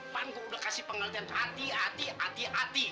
paman gue udah kasih pengelnitian api api api api